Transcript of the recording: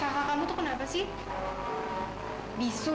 kakak kamu itu kenapa sih bisut